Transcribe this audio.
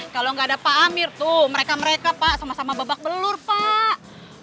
kalau nggak ada pak amir tuh mereka mereka pak sama sama babak belur pak